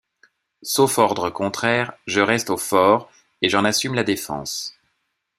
Sauf ordre contraire, je reste au fort et j’en assume la défense.